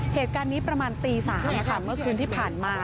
เหตุการณ์นี้ประมาณตี๓เมื่อคืนที่ผ่านมา